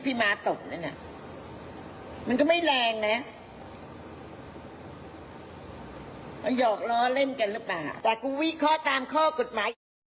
ไปหยอกล้อเล่นกันหรือเปล่าแต่กูวิเคราะห์ตามข้อกฎหมาย